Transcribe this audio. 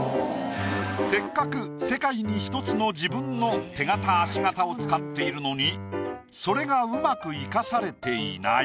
せっかく世界に１つの自分の手形足形を使っているのにそれが上手く生かされていない。